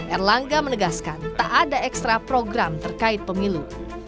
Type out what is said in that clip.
erlangga menegaskan tak ada ekstra program terkait pemilu